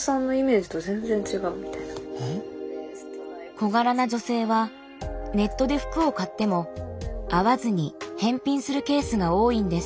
小柄な女性はネットで服を買っても合わずに返品するケースが多いんです。